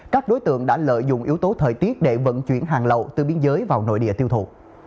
các đối tượng đã lợi dụng yếu tố thời tiết để vận chuyển hàng lậu từ biên giới vào nội địa tiêu thụ